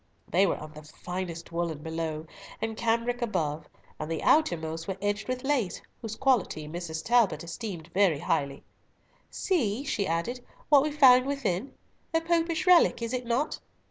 They were of the finest woollen below, and cambric above, and the outermost were edged with lace, whose quality Mrs. Talbot estimated very highly. "See," she added, "what we found within. A Popish relic, is it not?